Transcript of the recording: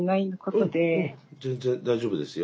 うん全然大丈夫ですよ。